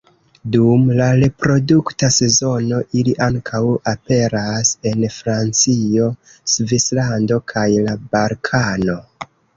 Dum la reprodukta sezono ili ankaŭ aperas en Francio, Svislando kaj la Balkano.